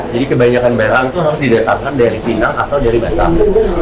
jadi kebanyakan barang itu harus didatangkan dari pinang atau dari batang